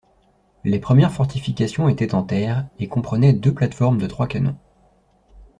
Les premières fortifications étaient en terre et comprenaient deux plateformes de trois canons.